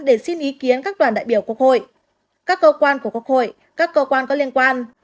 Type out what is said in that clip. để xin ý kiến các đoàn đại biểu quốc hội các cơ quan của quốc hội các cơ quan có liên quan